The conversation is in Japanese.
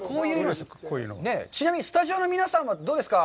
ちなみにスタジオの皆さんはどうですか。